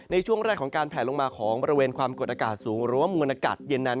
ในช่วงแรกของการแผลลงมาของบริเวณความกดอากาศสูงหรือว่ามวลอากาศเย็นนั้น